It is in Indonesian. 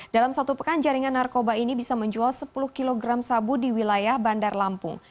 dalam satu pekan jaringan narkoba ini bisa menjual sepuluh kg sabu di wilayah bandar lampung